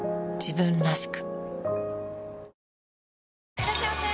いらっしゃいませ！